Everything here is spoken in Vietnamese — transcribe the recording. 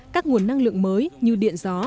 các nguồn năng lượng mới như điện gió